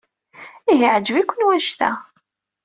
Ihi yeɛjeb-iken wanect-a?